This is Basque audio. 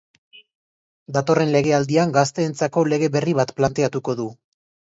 Datorren legealdian gazteentzako lege berri bat planteatuko du.